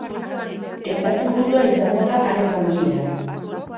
Estatu burua izango da haren babeslea.